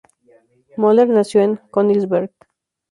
Möller nació en Königsberg.